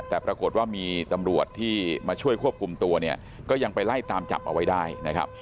แต่ปรากฏว่ามีตำรวจที่มาช่วยควบคุมตัวเนี่ยก็ยังไปไล่ตามจับเอาไว้ได้นะครับ